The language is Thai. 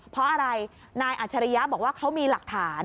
เพราะอะไรนายอัจฉริยะบอกว่าเขามีหลักฐาน